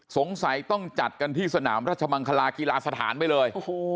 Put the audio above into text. สงสัยต้องจัดกันที่สนามราชมังคลากีฬาสถานไปเลย